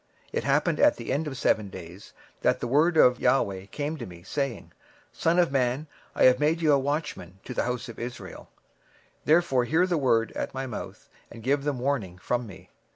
26:003:016 And it came to pass at the end of seven days, that the word of the LORD came unto me, saying, 26:003:017 Son of man, I have made thee a watchman unto the house of Israel: therefore hear the word at my mouth, and give them warning from me.